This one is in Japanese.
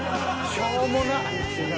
しょうもな。